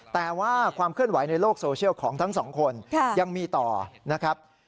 แต่ว่าความเคลื่อนไหวในโลกโซเชียลของทั้งสองคนยังมีต่อนะครับ